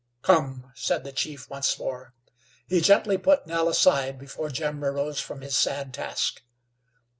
"Come," said the chief once more. He gently put Nell aside before Jim arose from his sad task.